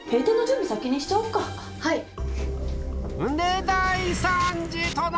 はい。